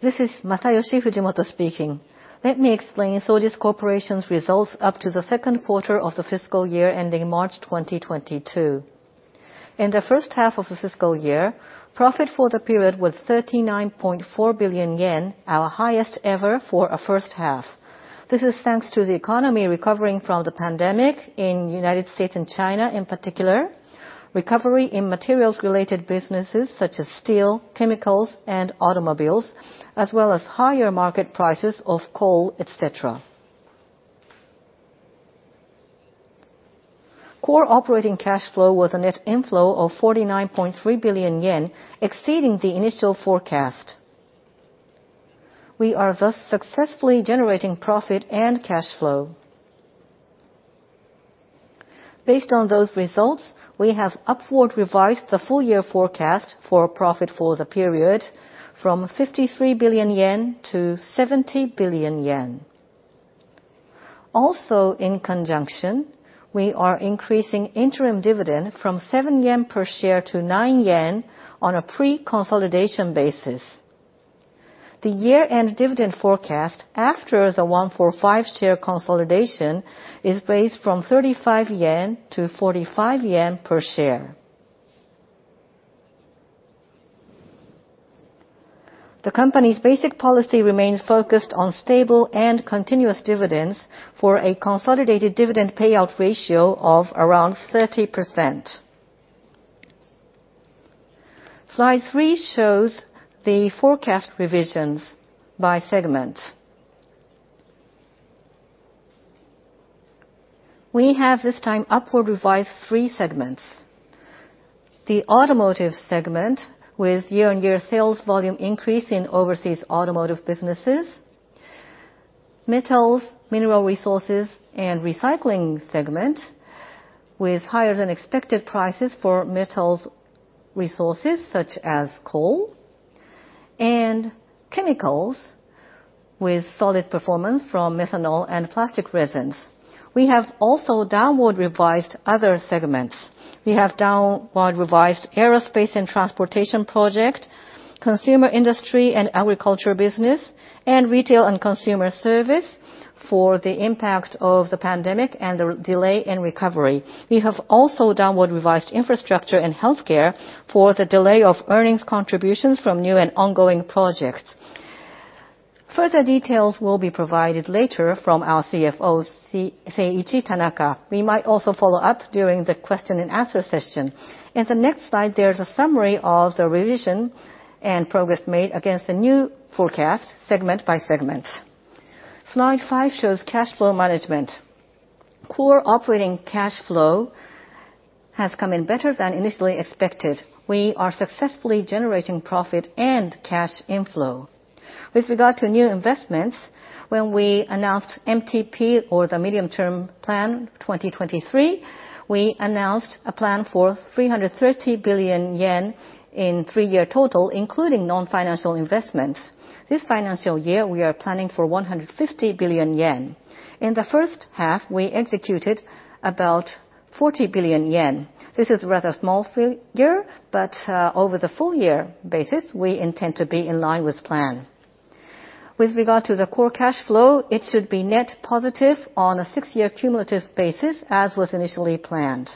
This is Masayoshi Fujimoto speaking. Let me explain Sojitz Corporation's results up to the second quarter of the fiscal year ending March 2022. In the first half of the fiscal year, profit for the period was 39.4 billion yen, our highest ever for a first half. This is thanks to the economy recovering from the pandemic in United States and China in particular, recovery in materials-related businesses such as steel, chemicals, and automobiles, as well as higher market prices of coal, et cetera. Core operating cash flow was a net inflow of 49.3 billion yen, exceeding the initial forecast. We are thus successfully generating profit and cash flow. Based on those results, we have upward revised the full year forecast for profit for the period from 53 billion yen to 70 billion yen. In conjunction, we are increasing interim dividend from 7 yen per share to 9 yen on a pre-consolidation basis. The year-end dividend forecast after the one-for-five share consolidation is raised from 35 yen to 45 yen per share. The company's basic policy remains focused on stable and continuous dividends for a consolidated dividend payout ratio of around 30%. Slide three shows the forecast revisions by segment. We have this time upward revised three segments: the Automotive segment with year-on-year sales volume increase in overseas automotive businesses, Metals, Mineral Resources, and Recycling segment with higher-than-expected prices for metals resources such as coal, and Chemicals with solid performance from methanol and plastic resins. We have also downward revised other segments: Aerospace and Transportation Projects, Consumer Industry and Agriculture Business, and Retail and Consumer Services due to the impact of the pandemic and the delay in recovery. We have also downward revised Infrastructure and Healthcare for the delay of earnings contributions from new and ongoing projects. Further details will be provided later from our CFO, Seiichi Tanaka. We might also follow up during the question and answer session. In the next slide, there's a summary of the revision and progress made against the new forecast segment by segment. Slide five shows cash flow management. Core operating cash flow has come in better than initially expected. We are successfully generating profit and cash inflow. With regard to new investments, when we announced MTP2023, or the Medium-Term Management Plan 2023, we announced a plan for 330 billion yen in three-year total, including non-financial investments. This financial year, we are planning for 150 billion yen. In the first half, we executed about 40 billion yen. This is a rather small figure, but over the full year basis, we intend to be in line with plan. With regard to the core cash flow, it should be net positive on a six-year cumulative basis, as was initially planned.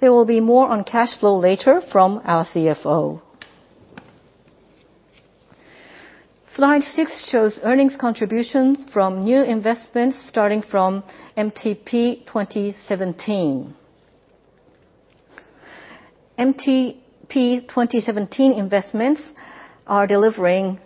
There will be more on cash flow later from our CFO. Slide six shows earnings contributions from new investments starting from MTP2017. MTP2017 investments are delivering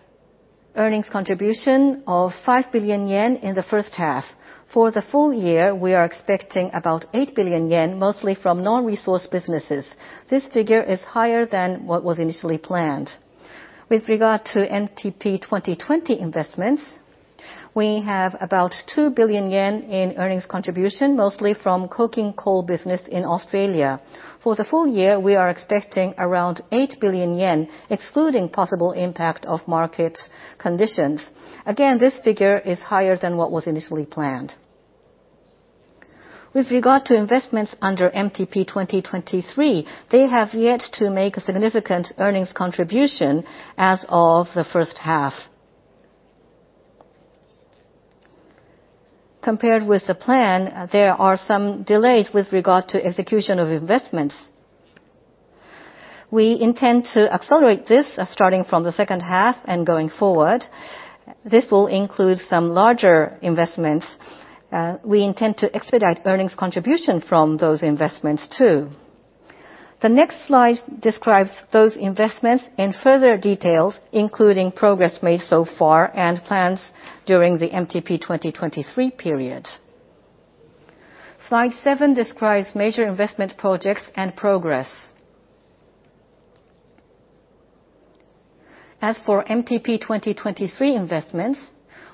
earnings contribution of 5 billion yen in the first half. For the full year, we are expecting about 8 billion yen, mostly from non-resource businesses. This figure is higher than what was initially planned. With regard to MTP2020 investments, we have about 2 billion yen in earnings contribution, mostly from coking coal business in Australia. For the full year, we are expecting around 8 billion yen, excluding possible impact of market conditions. Again, this figure is higher than what was initially planned. With regard to investments under MTP2023, they have yet to make a significant earnings contribution as of the first half. Compared with the plan, there are some delays with regard to execution of investments. We intend to accelerate this starting from the second half and going forward. This will include some larger investments. We intend to expedite earnings contribution from those investments too. The next slide describes those investments in further details, including progress made so far and plans during the MTP2023 period. Slide seven describes major investment projects and progress. As for MTP2023 investments,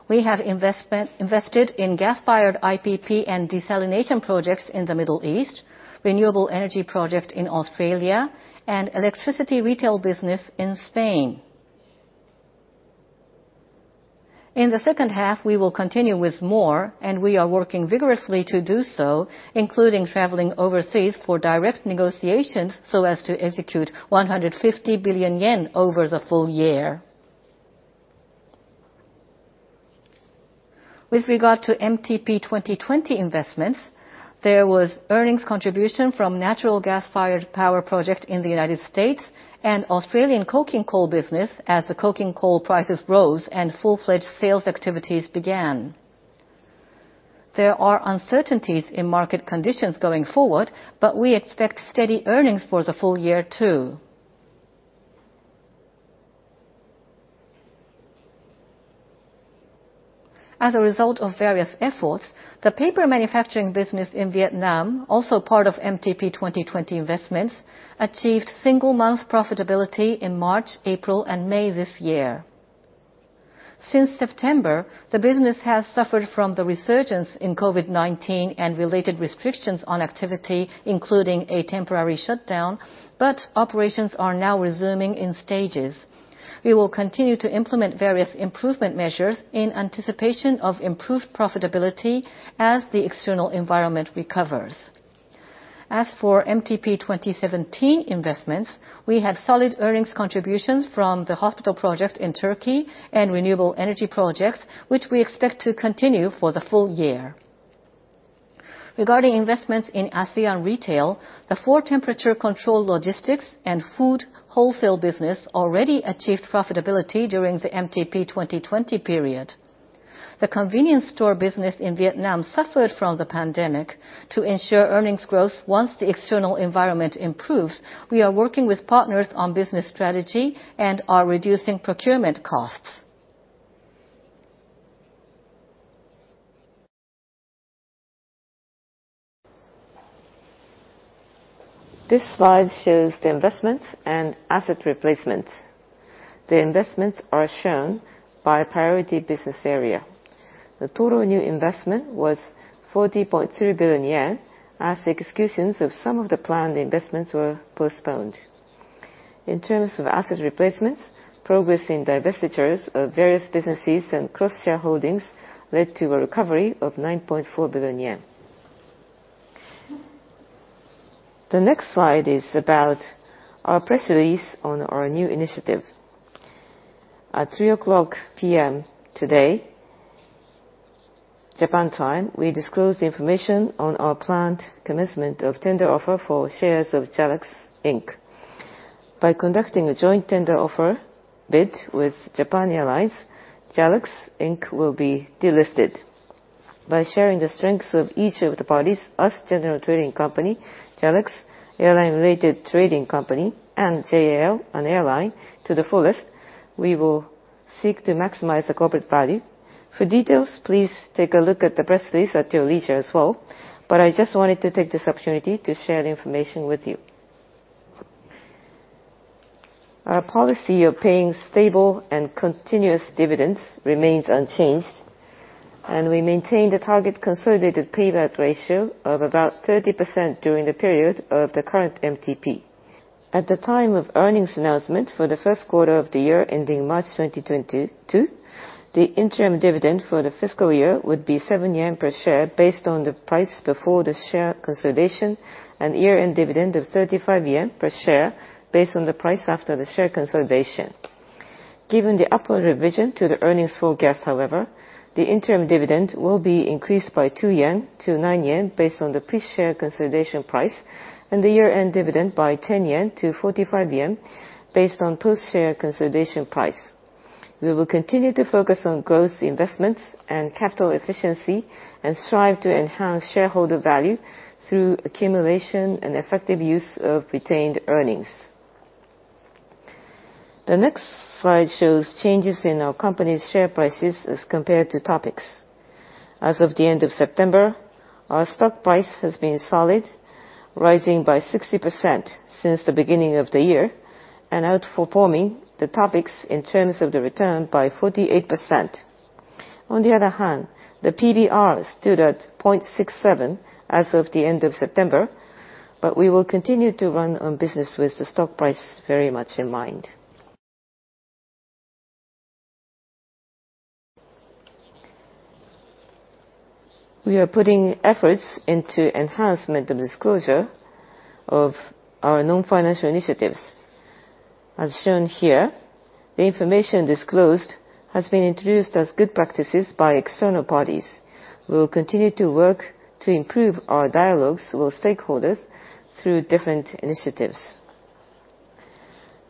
we have invested in gas-fired IPP and desalination projects in the Middle East, renewable energy project in Australia, and electricity retail business in Spain. In the second half, we will continue with more, and we are working vigorously to do so, including traveling overseas for direct negotiations so as to execute 150 billion yen over the full year. With regard to MTP2020 investments, there was earnings contribution from natural gas-fired power project in the United States and Australian coking coal business as the coking coal prices rose and full-fledged sales activities began. There are uncertainties in market conditions going forward, but we expect steady earnings for the full year, too. As a result of various efforts, the paper manufacturing business in Vietnam, also part of MTP2020 investments, achieved single month profitability in March, April, and May this year. Since September, the business has suffered from the resurgence in COVID-19 and related restrictions on activity, including a temporary shutdown, but operations are now resuming in stages. We will continue to implement various improvement measures in anticipation of improved profitability as the external environment recovers. As for MTP2017 investments, we have solid earnings contributions from the hospital project in Turkey and renewable energy projects, which we expect to continue for the full year. Regarding investments in ASEAN Retail, the four temperature-controlled logistics and food wholesale business already achieved profitability during the MTP2020 period. The convenience store business in Vietnam suffered from the pandemic. To ensure earnings growth once the external environment improves, we are working with partners on business strategy and are reducing procurement costs. This slide shows the investments and asset replacements. The investments are shown by priority business area. The total new investment was 40.2 billion yen as executions of some of the planned investments were postponed. In terms of asset replacements, progress in divestitures of various businesses and cross-shareholdings led to a recovery of 9.4 billion yen. The next slide is about our press release on our new initiative. At 3:00 P.M. today, Japan time, we disclosed information on our planned commencement of tender offer for shares of JALUX Inc. By conducting a joint tender offer bid with Japan Airlines, JALUX Inc. will be delisted. By sharing the strengths of each of the parties, us, general trading company, JALUX, airline-related trading company, and JAL, an airline, to the fullest, we will seek to maximize the corporate value. For details, please take a look at the press release at your leisure as well, but I just wanted to take this opportunity to share the information with you. Our policy of paying stable and continuous dividends remains unchanged, and we maintain the target consolidated dividend payout ratio of about 30% during the period of the current MTP. At the time of earnings announcement for the first quarter of the year ending March 2022, the interim dividend for the fiscal year would be 7 yen per share based on the price before the share consolidation and year-end dividend of 35 yen per share based on the price after the share consolidation. Given the upward revision to the earnings forecast, however, the interim dividend will be increased by 2 yen to 9 yen based on the pre-share consolidation price and the year-end dividend by 10 yen to 45 yen based on post-share consolidation price. We will continue to focus on growth investments and capital efficiency and strive to enhance shareholder value through accumulation and effective use of retained earnings. The next slide shows changes in our company's share prices as compared to TOPIX. As of the end of September, our stock price has been solid, rising by 60% since the beginning of the year and outperforming the TOPIX in terms of the return by 48%. On the other hand, the PBR stood at 0.67 as of the end of September, but we will continue to run on business with the stock price very much in mind. We are putting efforts into enhancement of disclosure of our non-financial initiatives. As shown here, the information disclosed has been introduced as good practices by external parties. We will continue to work to improve our dialogues with stakeholders through different initiatives.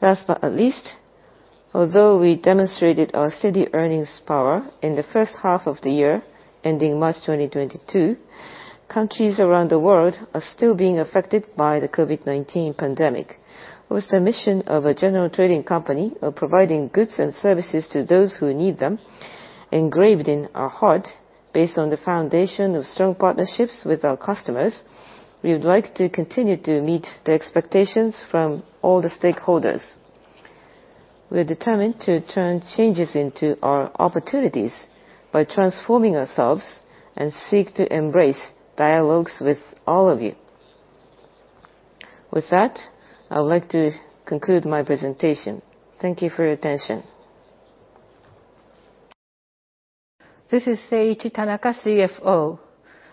Last but not least, although we demonstrated our steady earnings power in the first half of the year ending March 2022, countries around the world are still being affected by the COVID-19 pandemic. With the mission of a general trading company of providing goods and services to those who need them engraved in our heart based on the foundation of strong partnerships with our customers, we would like to continue to meet the expectations from all the stakeholders. We are determined to turn changes into our opportunities by transforming ourselves and seek to embrace dialogues with all of you. With that, I would like to conclude my presentation. Thank you for your attention. This is Seiichi Tanaka, CFO.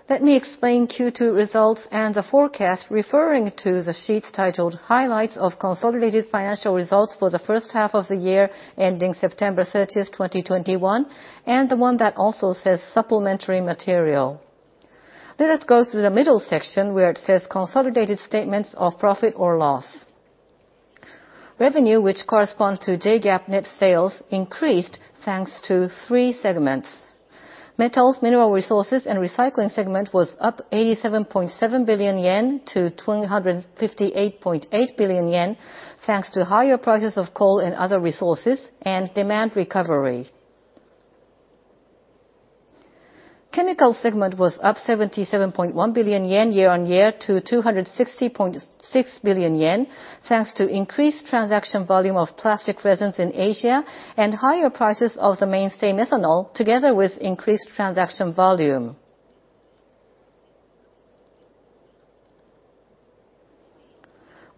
Let me explain Q2 results and the forecast referring to the sheets titled Highlights of Consolidated Financial Results for the first half of the year ending September 30, 2021, and the one that also says Supplementary Material. Let us go through the middle section where it says Consolidated Statements of Profit or Loss. Revenue, which corresponds to JGAAP net sales, increased thanks to three segments. Metals, Mineral Resources & Recycling segment was up 87.7 billion yen to 258.8 billion yen, thanks to higher prices of coal and other resources and demand recovery. Chemical segment was up 77.1 billion yen year-on-year to 260.6 billion yen, thanks to increased transaction volume of plastic resins in Asia and higher prices of the mainstay methanol together with increased transaction volume.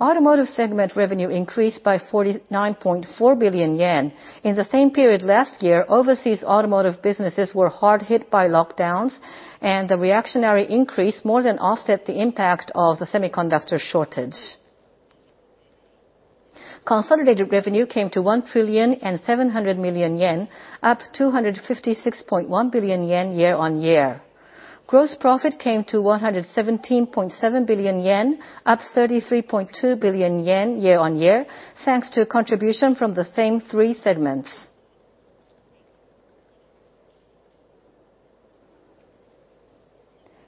Automotive segment revenue increased by 49.4 billion yen. In the same period last year, overseas automotive businesses were hard hit by lockdowns, and the reactionary increase more than offset the impact of the semiconductor shortage. Consolidated revenue came to 1,000.7 billion yen, up 256.1 billion yen year-on-year. Gross profit came to 117.7 billion yen, up 33.2 billion yen year-on-year, thanks to contribution from the same three segments.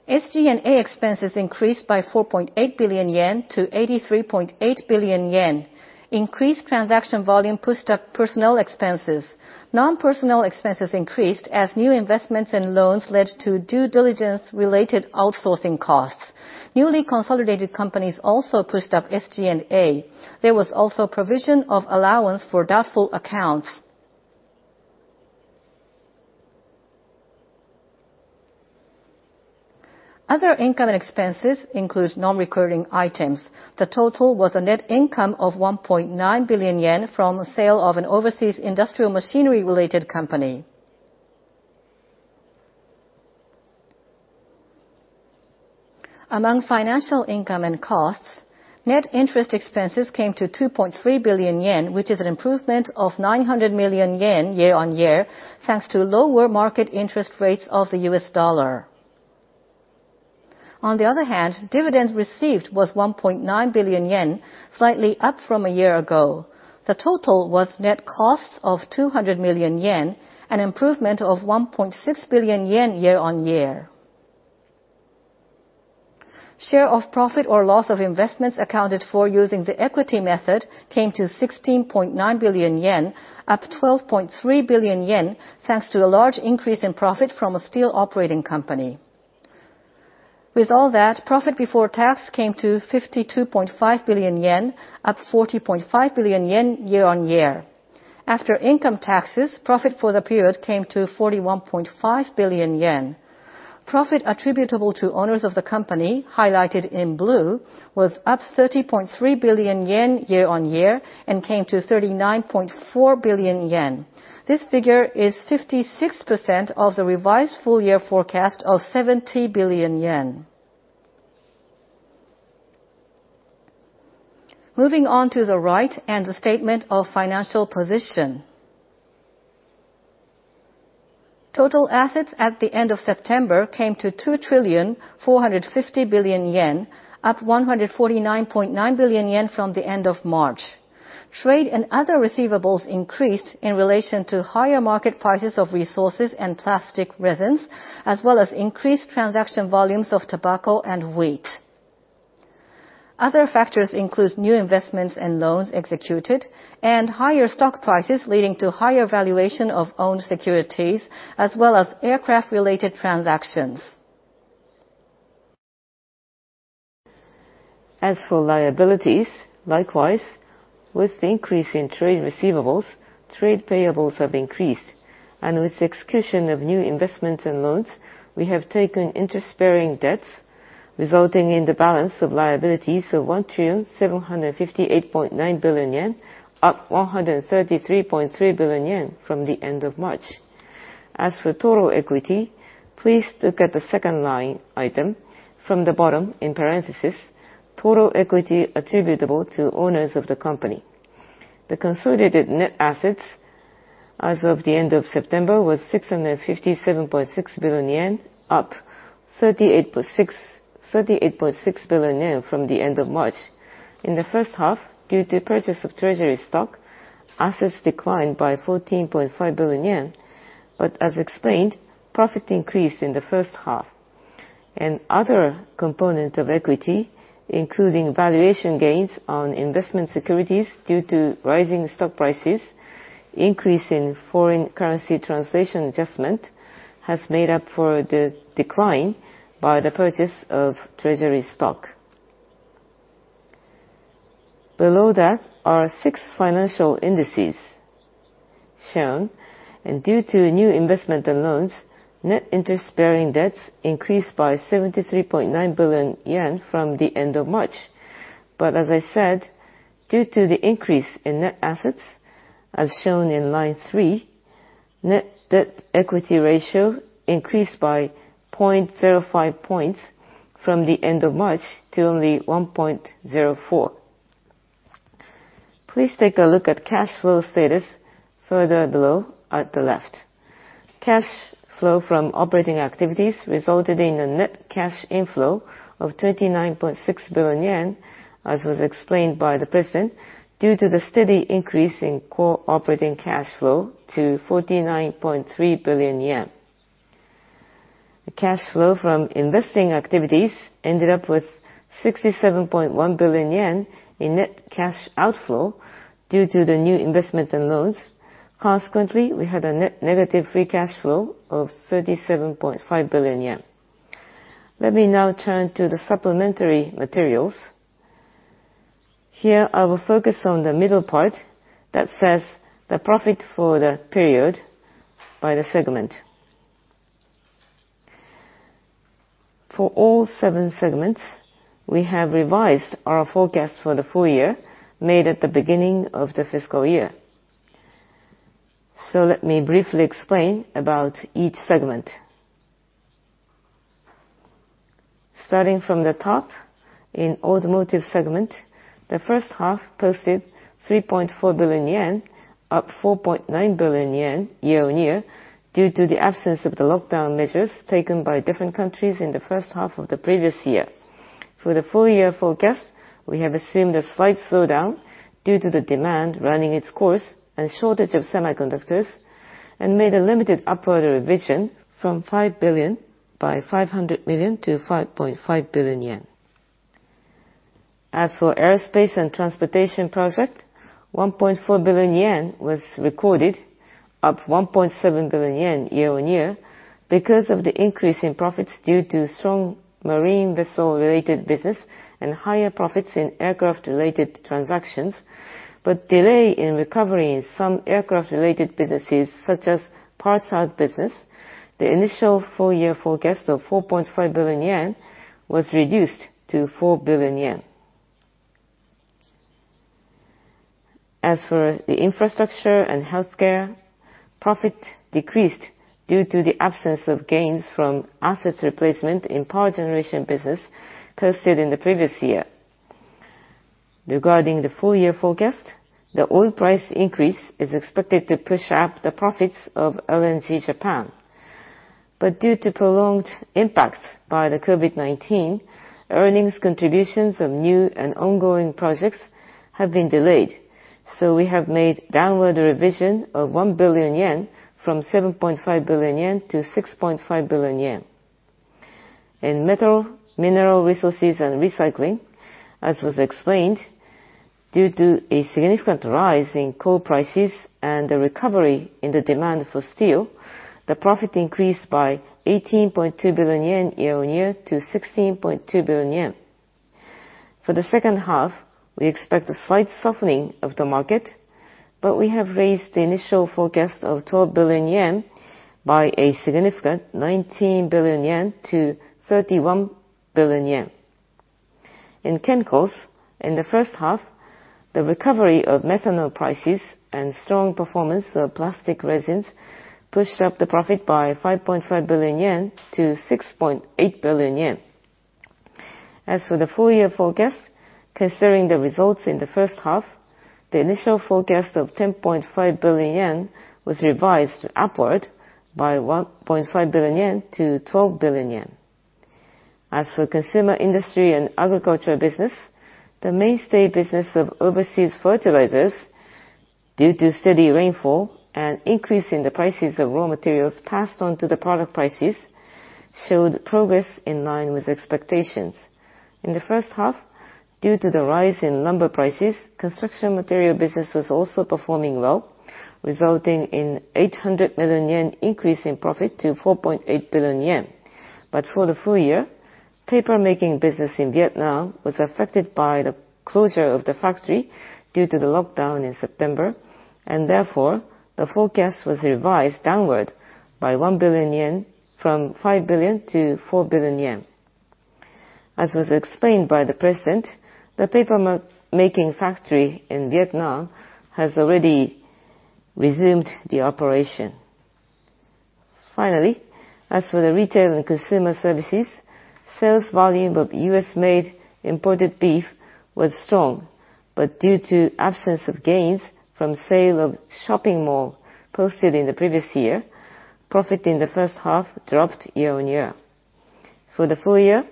SG&A expenses increased by 4.8 billion yen to 83.8 billion yen. Increased transaction volume pushed up personnel expenses. Non-personnel expenses increased as new investments and loans led to due diligence related outsourcing costs. Newly consolidated companies also pushed up SG&A. There was also provision of allowance for doubtful accounts. Other income and expenses includes non-recurring items. The total was a net income of 1.9 billion yen from a sale of an overseas industrial machinery related company. Among financial income and costs, net interest expenses came to 2.3 billion yen, which is an improvement of 900 million yen year-over-year thanks to lower market interest rates of the U.S. dollar. On the other hand, dividends received was 1.9 billion yen, slightly up from a year ago. The total was net costs of 200 million yen, an improvement of 1.6 billion yen year-over-year. Share of profit or loss of investments accounted for using the equity method came to 16.9 billion yen, up 12.3 billion yen, thanks to a large increase in profit from a steel operating company. With all that, profit before tax came to 52.5 billion yen, up 40.5 billion yen year-on-year. After income taxes, profit for the period came to 41.5 billion yen. Profit attributable to owners of the company, highlighted in blue, was up 30.3 billion yen year-on-year and came to 39.4 billion yen. This figure is 56% of the revised full year forecast of 70 billion yen. Moving on to the right and the statement of financial position. Total assets at the end of September came to 2,450 billion yen, up 149.9 billion yen from the end of March. Trade and other receivables increased in relation to higher market prices of resources and plastic resins, as well as increased transaction volumes of tobacco and wheat. Other factors include new investments and loans executed and higher stock prices leading to higher valuation of own securities as well as aircraft-related transactions. As for liabilities, likewise, with the increase in trade receivables, trade payables have increased. With execution of new investments and loans, we have taken interest-bearing debts, resulting in the balance of liabilities of 1,758.9 billion yen, up 133.3 billion yen from the end of March. As for total equity, please look at the second line item from the bottom in parenthesis, total equity attributable to owners of the company. The consolidated net assets as of the end of September was 657.6 billion yen, up 38.6 billion yen from the end of March. In the first half, due to purchase of treasury stock, assets declined by 14.5 billion yen, but as explained, profit increased in the first half. Another component of equity, including valuation gains on investment securities due to rising stock prices, increase in foreign currency translation adjustment, has made up for the decline by the purchase of treasury stock. Below that are six financial indices shown. Due to new investment and loans, net interest-bearing debts increased by 73.9 billion yen from the end of March. As I said, due to the increase in net assets, as shown in line three, net debt equity ratio increased by 0.05 points from the end of March to only 1.04. Please take a look at cash flow status further below at the left. Cash flow from operating activities resulted in a net cash inflow of 39.6 billion yen, as was explained by the President, due to the steady increase in Core Operating Cash Flow to 49.3 billion yen. The cash flow from investing activities ended up with 67.1 billion yen in net cash outflow due to the new investments and loans. Consequently, we had a net negative free cash flow of 37.5 billion yen. Let me now turn to the supplementary materials. Here, I will focus on the middle part that says the profit for the period by the segment. For all seven segments, we have revised our forecast for the full year made at the beginning of the fiscal year. Let me briefly explain about each segment. In automotive segment, the first half posted 3.4 billion yen, up 4.9 billion yen year-on-year due to the absence of the lockdown measures taken by different countries in the first half of the previous year. For the full year forecast, we have assumed a slight slowdown due to the demand running its course and shortage of semiconductors, and made a limited upward revision from 5 billion by 500 million to 5.5 billion yen. As for Aerospace and Transportation Project, 1.4 billion yen was recorded, up 1.7 billion yen year-on-year because of the increase in profits due to strong marine vessel-related business and higher profits in aircraft-related transactions. Delay in recovery in some aircraft-related businesses, such as parts out business, the initial full-year forecast of 4.5 billion yen was reduced to 4 billion yen. As for the Infrastructure and Healthcare, profit decreased due to the absence of gains from assets replacement in power generation business posted in the previous year. Regarding the full-year forecast, the oil price increase is expected to push up the profits of LNG Japan. Due to prolonged impacts by the COVID-19, earnings contributions of new and ongoing projects have been delayed, so we have made downward revision of 1 billion yen from 7.5 billion yen to 6.5 billion yen. In Metals, Mineral Resources & Recycling, as was explained, due to a significant rise in coal prices and the recovery in the demand for steel, the profit increased by 18.2 billion yen year-on-year to 16.2 billion yen. For the second half, we expect a slight softening of the market, but we have raised the initial forecast of 12 billion yen by a significant 19 billion yen to 31 billion yen. In chemicals, in the first half, the recovery of methanol prices and strong performance of plastic resins pushed up the profit by 5.5 billion yen to 6.8 billion yen. As for the full year forecast, considering the results in the first half, the initial forecast of 10.5 billion yen was revised upward by 1.5 billion yen to 12 billion yen. As for Consumer Industry and Agricultural Business, the mainstay business of overseas fertilizers, due to steady rainfall and increase in the prices of raw materials passed on to the product prices, showed progress in line with expectations. In the first half, due to the rise in lumber prices, construction material business was also performing well, resulting in 800 million yen increase in profit to 4.8 billion yen. For the full year, paper-making business in Vietnam was affected by the closure of the factory due to the lockdown in September, and therefore, the forecast was revised downward by 1 billion yen from 5 billion to 4 billion yen. As was explained by the President, the paper-making factory in Vietnam has already resumed the operation. Finally, as for the Retail and Consumer services, sales volume of U.S.-made imported beef was strong. Due to absence of gains from sale of shopping mall posted in the previous year, profit in the first half dropped year-on-year. For the full year,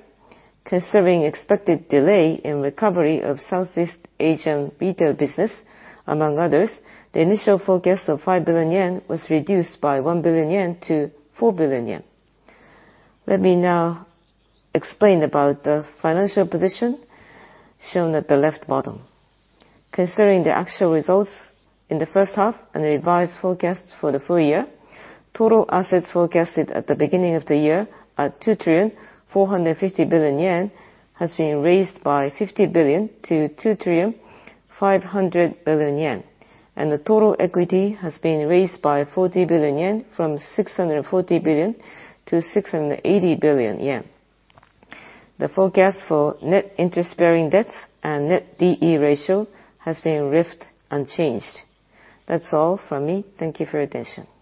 considering expected delay in recovery of Southeast Asian retail business, among others, the initial forecast of 5 billion yen was reduced by 1 billion yen to 4 billion yen. Let me now explain about the financial position shown at the left bottom. Considering the actual results in the first half and revised forecasts for the full year, total assets forecasted at the beginning of the year are 2.45 trillion, has been raised by 50 billion to 2.5 trillion. The total equity has been raised by 40 billion yen from 640 billion to 680 billion yen. The forecast for net interest-bearing debts and net D/E ratio has been left unchanged. That's all for me. Thank you for your attention.